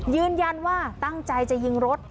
ยืนยันว่าตั้งใจจะยิงรถ